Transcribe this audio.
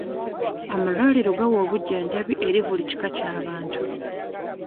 Amalwaliro gawa obujjanjabi eri buli kika ky'abantu.